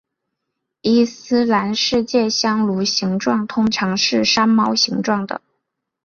伊斯兰世界香炉形状通常是山猫形状的。